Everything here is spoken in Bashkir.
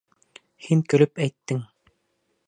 Һин көлөп әйттең!